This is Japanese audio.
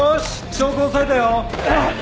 証拠押さえたよ。